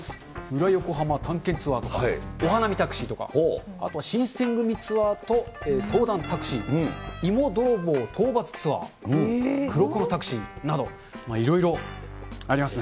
裏ヨコハマ探検ツアーとかお花見タクシーとか、あとは新選組ツアーと相談タクシー、芋泥棒討伐ツアー、黒子のタクシーなど、いろいろありますね。